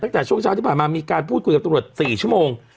ตั้งแต่ช่วงเช้าที่ผ่านมามีการพูดคุยกับตำรวจ๔ชั่วโมง